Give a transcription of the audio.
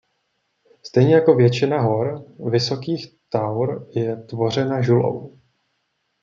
Stejně jako většina hor Vysokých Taur je tvořena žulou.